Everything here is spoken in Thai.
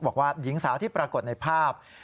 บอกว่าหญิงสาวที่ปรากฏในภาพ